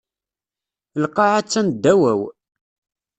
Lqaɛa attan ddaw-aw.